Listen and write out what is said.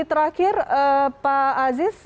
terakhir pak aziz